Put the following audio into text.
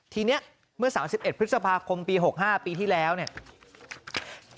ทีนี้เมื่อ๓๑พฤษภาคมปี๖๕ปีที่แล้วเนี่ย